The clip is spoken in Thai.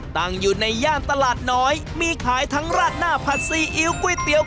ตั้งอยู่ในย่านตลาดน้อยมีขายทั้งราดหน้าผัดซีอิ๊วก๋วยเตี๋ยว